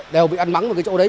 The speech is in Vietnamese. đều bị ăn mắng ở cái chỗ đấy